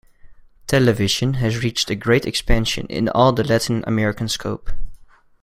Television has reached a great expansion in all the Latin American scope.